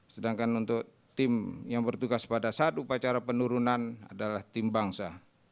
sedangkan untuk tim yang bertugas pada saat upacara penurunan adalah tim bangsa